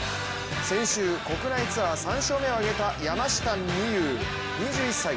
先週、国内ツアー３勝目を挙げた山下美夢有２１歳。